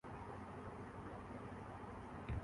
یزید ثانی ایک نااہل حکمران تھا